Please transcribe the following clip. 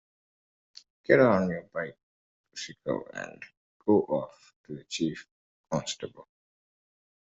Get on your bicycle and go off to the Chief Constable.